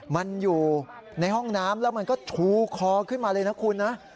มันอยู่ในห้องน้ำแล้วมันก็ชูคอขึ้นมาเลยนะคุณนะ